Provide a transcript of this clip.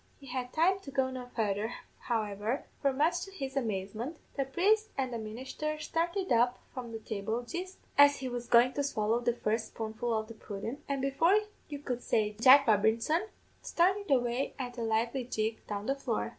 He had time to go no farther, however; for much to his amazement, the priest and the ministher started up from the table jist as he was goin' to swallow the first spoonful of the pudden, and before you could say Jack Robinson, started away at a lively jig down the floor.